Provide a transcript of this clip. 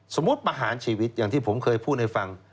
ประหารชีวิตอย่างที่ผมเคยพูดให้ฟัง